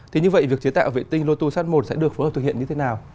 thế như vậy việc chế tạo vệ tinh lotus sat một sẽ được phối hợp thực hiện như thế nào